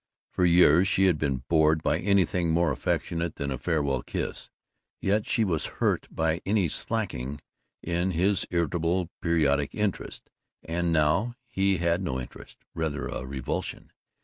For years she had been bored by anything more affectionate than a farewell kiss, yet she was hurt by any slackening in his irritable periodic interest, and now he had no interest; rather, a revulsion.